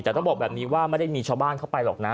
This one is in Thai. แต่ต้องบอกแบบนี้ว่าไม่ได้มีชาวบ้านเข้าไปหรอกนะ